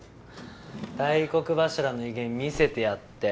大黒柱の威厳見せてやって！